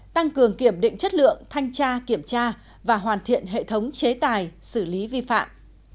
tăng cường kiểm định chất lượng thanh tra kiểm tra và hoàn thiện hệ thống chế tài xử lý vi phạm